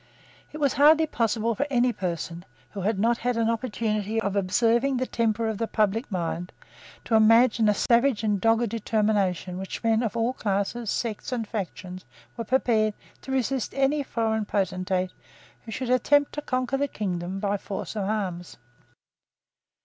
It was hardly possible for any person, who had not had an opportunity of observing the temper of the public mind, to imagine the savage and dogged determination with which men of all classes, sects and factions were prepared to resist any foreign potentate who should attempt to conquer the kingdom by force of arms.